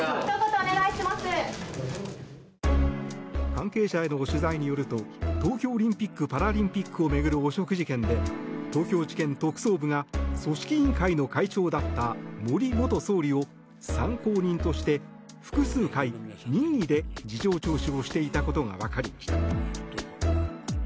関係者への取材によると東京オリンピック・パラリンピックを巡る汚職事件で東京地検特捜部が組織委員会の会長だった森元総理を参考人として複数回任意で事情聴取をしていたことがわかりました。